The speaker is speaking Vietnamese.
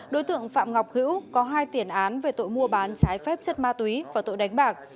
đối tượng phạm ngọc hữu có hai tiền án về tội mua bán trái phép chất ma túy và tội đánh bạc